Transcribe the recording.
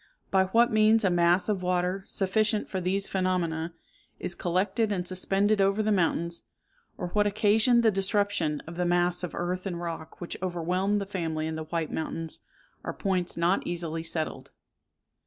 By what means a mass of water, sufficient for these phenomena, is collected and suspended over the mountains, or what occasioned the disruption of the mass of earth and rock which overwhelmed the family in the White Mountains, are points not easily settled.